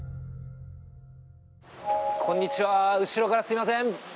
こんにちは、後ろからすみません。